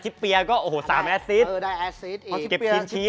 ทริปเปียร์ก็โอ้โห๓แอซิสเออได้แอซิสอีก